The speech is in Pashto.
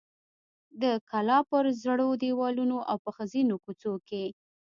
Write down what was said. د کلا پر زړو دیوالونو او په ځینو کوڅو کې.